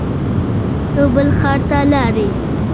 ته بل ښار ته لاړې